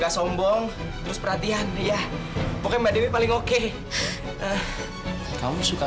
sampai jumpa di video selanjutnya